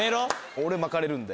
俺まかれるんで。